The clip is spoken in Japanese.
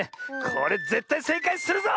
これぜったいせいかいするぞ！